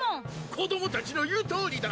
子どもたちの言うとおりだ！